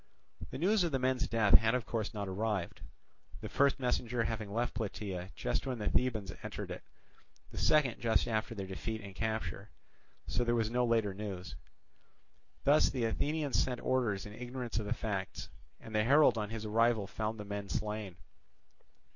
The news of the men's death had of course not arrived; the first messenger having left Plataea just when the Thebans entered it, the second just after their defeat and capture; so there was no later news. Thus the Athenians sent orders in ignorance of the facts; and the herald on his arrival found the men slain.